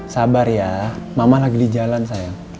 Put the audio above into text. sabar ya mama lagi di jalan saya